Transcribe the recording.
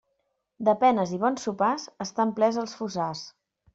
De penes i bons sopars estan plens els fossars.